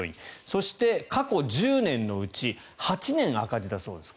そして、過去１０年のうち８年赤字だそうです。